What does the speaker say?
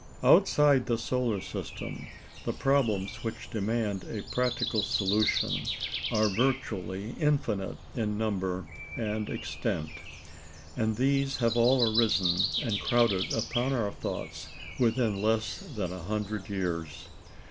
Outside the solar system, the problems which demand a practical solution are virtually infinite in number and extent. And these have all arisen and crowded upon our thoughts within less than a hundred years.